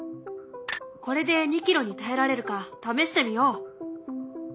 これで２キロに耐えられるか試してみよう。